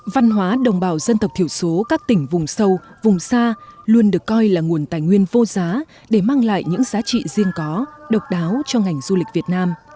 văn hóa đồng bào dân tộc thiểu số các tỉnh vùng sâu vùng xa luôn được coi là nguồn tài nguyên vô giá để mang lại những giá trị riêng có độc đáo cho ngành du lịch việt nam